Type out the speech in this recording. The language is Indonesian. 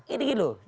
ini gitu loh